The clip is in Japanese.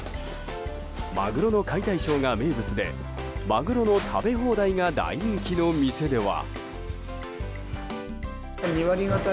マグロの解体ショーが名物でマグロの食べ放題が大人気の店では。